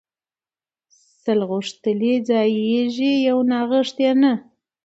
ـ سل غوښتلي ځايږي يو ناغښتى نه.